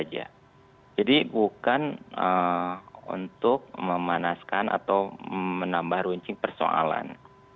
itu saja jadi bukan untuk memanaskan atau menambah runcing persoalan